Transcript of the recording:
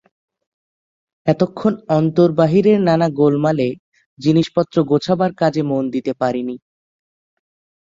এতক্ষণ অন্তর-বাহিরের নানা গোলমালে জিনিসপত্র গোছাবার কাজে মন দিতে পারি নি।